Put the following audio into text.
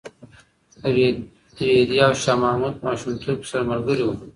رېدي او شاه محمود په ماشومتوب کې سره ملګري وو.